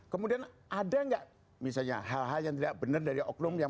kemudian ada nggak misalnya hal hal yang tidak benar dari oknum yang